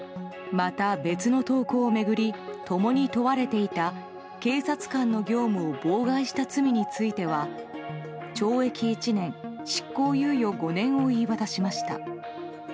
また、別の投稿を巡り共に問われていた警察官の業務を妨害した罪については懲役１年、執行猶予５年を言い渡しました。